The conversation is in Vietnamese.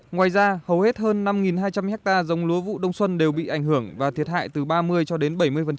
ngoài ra hầu hết hơn năm hai trăm linh hectare giống lúa vụ đông xuân đều bị ảnh hưởng và thiệt hại từ ba mươi cho đến bảy mươi